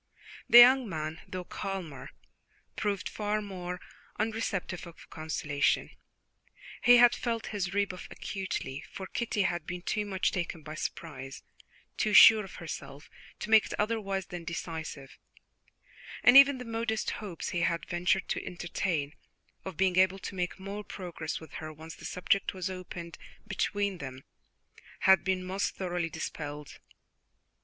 The young man, though calmer, proved far more unreceptive of consolation. He had felt his rebuff acutely, for Kitty had been too much taken by surprise, too sure of herself, to make it otherwise than decisive, and even the modest hopes he had ventured to entertain, of being able to make more progress with her once the subject was opened between them, had been most thoroughly dispelled.